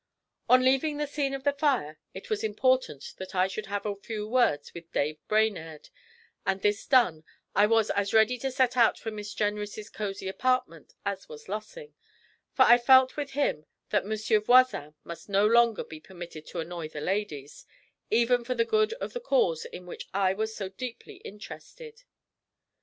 On leaving the scene of the fire it was important that I should have a few words with Dave Brainerd, and this done I was as ready to set out for Miss Jenrys' cosy apartment as was Lossing; for I felt with him that Monsieur Voisin must no longer be permitted to annoy the ladies, even for the good of the cause in which I was so deeply interested.